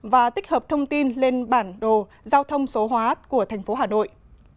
và tích hợp thông tin lên bản đồ giao thông số hóa của tp hà nội